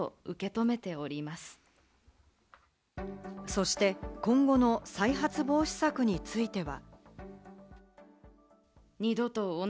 そして今後の再発防止策については。